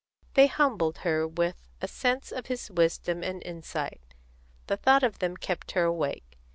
They humbled her with, a sense of his wisdom and insight; the thought of them kept her awake.